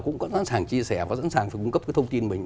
cũng có sẵn sàng chia sẻ có sẵn sàng cung cấp cái thông tin mình